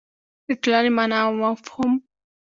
د ټولنې مانا او مفهوم